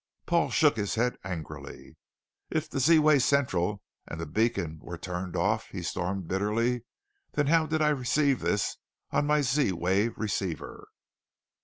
Paul shook his head angrily. "If the Z wave Central and the beacon were turned off," he stormed bitterly, "then how did I receive this on my Z wave Receiver?"